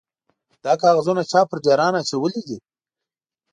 _دا کاغذونه چا پر ډېران اچولي دي؟